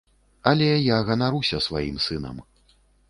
Але я ганаруся сваім сынам.